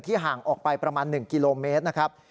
ห่างออกไปประมาณ๑กิโลเมตรนะครับ